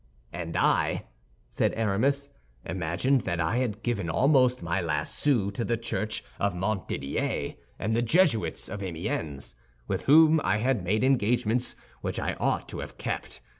"And I," said Aramis, "imagined that I had given almost my last sou to the church of Montdidier and the Jesuits of Amiens, with whom I had made engagements which I ought to have kept.